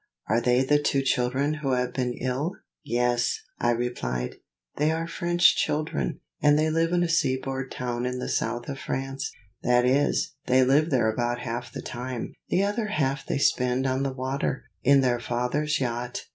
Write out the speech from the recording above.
Are they the two children who have been ill?" "Yes," I replied; "they are French children, and they live in a sea board town in the south of France, that is, they live there about half the time: the other half they spend on the water, in their father's yacht.